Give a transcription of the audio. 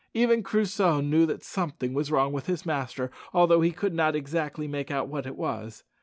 Even Crusoe knew that something was wrong with his master, although he could not exactly make out what it was.